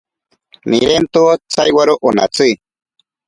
Nirento tsaiwaro onatsi.